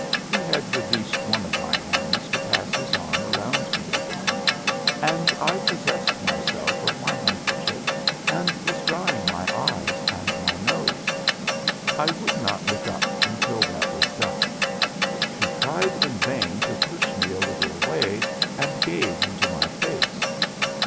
He had released one of my hands to pass his arm about me again and I possessed myself of my handkerchief and was drying my eyes and my nose. I would not look up until that was done; he tried in vain to push me a little away and gaze into my face.